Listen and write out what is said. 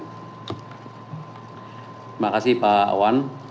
terima kasih pak wamen